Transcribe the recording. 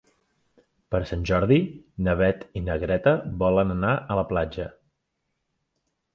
Per Sant Jordi na Beth i na Greta volen anar a la platja.